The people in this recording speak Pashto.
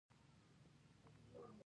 ده وويل چې لمر زما د پښې لپاره ګټه لري.